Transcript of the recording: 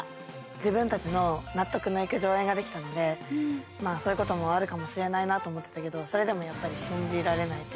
自分たちの納得のいく上演ができたのでまあそういうこともあるかもしれないなと思ってたけどそれでもやっぱり信じられないというか。